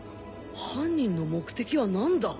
犯人の目的は何だ？